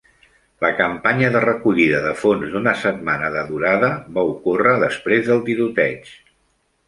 La campanya de recollida de fons d'una setmana de durada va ocórrer després del tiroteig.